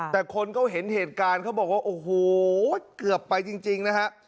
แต่คนเขาเห็นเหตุการณ์เขาบอกว่าโอ้โหเกือบไปจริงนะฮะ